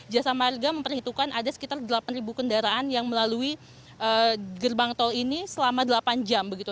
jasa marga memperhitungkan ada sekitar delapan kendaraan yang melalui gerbang tol ini selama delapan jam begitu